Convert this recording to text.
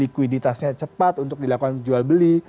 likuiditasnya cepat untuk dilakukan jual beli